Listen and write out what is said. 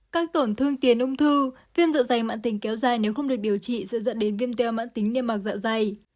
các tổn thương tiền ung thư viêm dạ dày mạng tính kéo dài nếu không được điều trị sẽ dẫn đến viêm teo mạng tính nêm mạc dạ dày